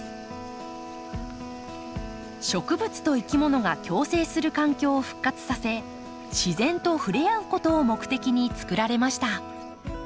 植物といきものが共生する環境を復活させ自然と触れ合うことを目的につくられました。